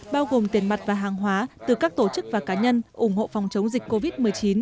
bao gồm tiền mặt và hàng hóa từ các tổ chức và cá nhân ủng hộ phòng chống dịch covid một mươi chín